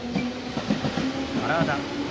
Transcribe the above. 「体」。